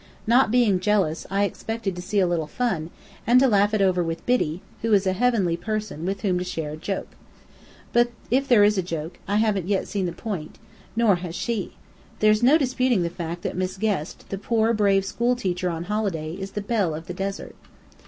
Not being jealous, I expected to see a little fun, and laugh over it with Biddy, who is a heavenly person with whom to share a joke. But if there is a joke, I haven't seen the point yet, nor has she. There's no disputing the fact that Miss Guest, the poor, brave school teacher on holiday, is the belle of the desert.